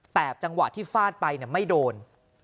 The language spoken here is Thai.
แต่จังหวะที่ฟาดไปไม่โดน